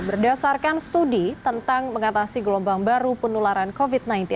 berdasarkan studi tentang mengatasi gelombang baru penularan covid sembilan belas